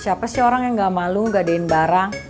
siapa sih orang yang gak malu ngegadein barang